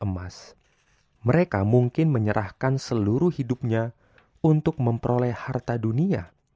mereka akan memperoleh harta dunia